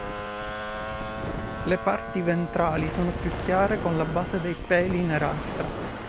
Le parti ventrali sono più chiare con la base dei peli nerastra.